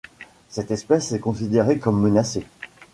Cette espèce est considérée comme menacée.